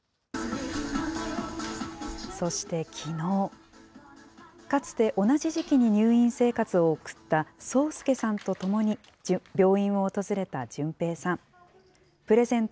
そしてきのう、かつて同じ時期に入院生活を送った宗佑さんと共に病院を訪れた潤平さん。